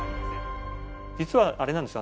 実はあれなんですよ